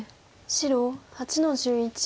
白８の十一。